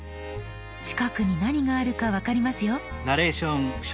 近くに何があるか分かりますよ。